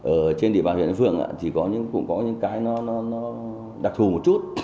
ở trên địa bàn huyện đông phượng thì cũng có những cái nó đặc thù một chút